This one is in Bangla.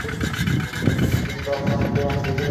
তিনবার চ্যাম্পিয়নের ধৃষ্টতা, তাই না?